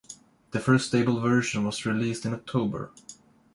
The first stable version was released in October.